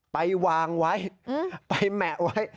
ไปวางไว้ไปแหมะไว้